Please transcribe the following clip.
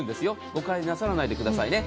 誤解なさらないでくださいね。